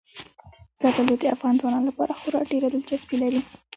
زردالو د افغان ځوانانو لپاره خورا ډېره دلچسپي لري.